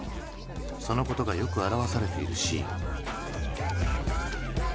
そのことがよく表されているシーン。